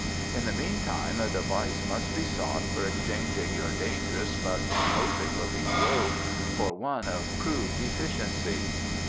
In the meantime a device must be sought for exchanging your dangerous but imposing looking robe for one of proved efficiency."